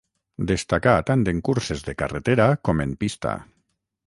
Destacà tant en curses de carretera com en pista.